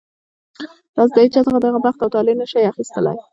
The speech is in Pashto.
تاسو د هېچا څخه د هغه بخت او طالع نه شئ اخیستلی.